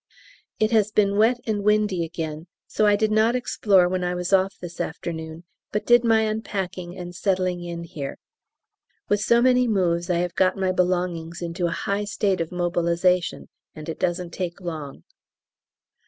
It has been wet and windy again, so I did not explore when I was off this afternoon, but did my unpacking and settling in here. With so many moves I have got my belongings into a high state of mobilisation, and it doesn't take long.